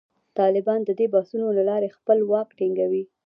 طالبان د دې بحثونو له لارې خپل واک ټینګوي.